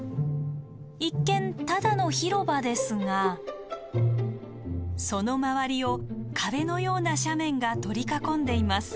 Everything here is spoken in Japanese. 一見ただの広場ですがその周りを壁のような斜面が取り囲んでいます。